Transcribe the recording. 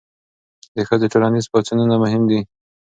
د ښځو ټولنیز پاڅونونه مهم وو.